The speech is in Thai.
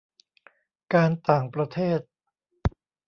การต่างประเทศ